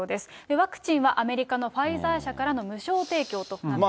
ワクチンはアメリカのファイザー社からの無償提供となっています。